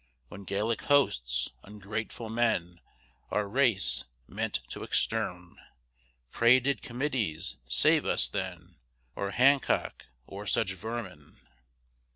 When Gallic hosts, ungrateful men, Our race meant to extermine, Pray did committees save us then, Or Hancock, or such vermin?